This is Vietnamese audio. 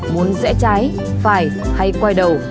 muốn rẽ trái phải hay quay đầu